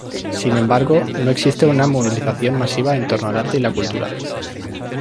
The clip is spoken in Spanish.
Sin embargo, no existe una movilización masiva en torno al arte y la cultura.